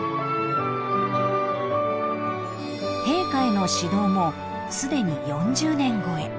［陛下への指導もすでに４０年超え］